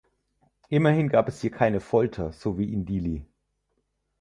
Immerhin gab es hier keine Folter, so wie in Dili.